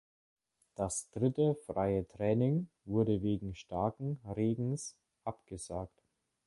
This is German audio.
Das dritte freie Training wurde wegen starken Regens abgesagt.